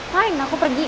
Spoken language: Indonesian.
main aku pergi